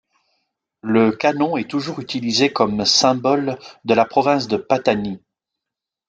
Le canon est toujours utilisé comme symbole de la province de Pattani.